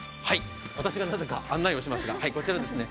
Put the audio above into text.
私がなぜか案内をしますが、こちらですね。